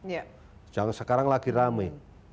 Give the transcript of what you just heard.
yang sekarang lagi rame